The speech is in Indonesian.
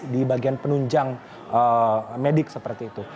di bagian penunjang medik seperti itu